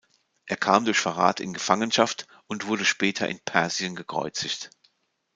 Er kam durch Verrat in Gefangenschaft und wurde später in Persien gekreuzigt.